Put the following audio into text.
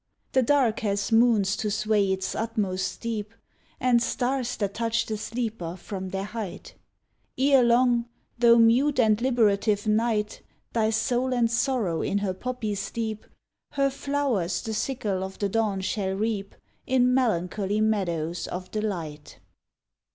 The dark has moons to sway its utmost deep, And stars that touch the sleeper from their height. Ere long, tho mute and liberative Night Thy soul and sorrow in her poppy steep, Her flowers the sickle of the dawn shall reap, In melancholy meadows of the light.